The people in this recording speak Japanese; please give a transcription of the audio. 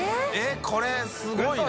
┐これすごいな。